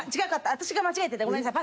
私が間違えてたごめんなさい。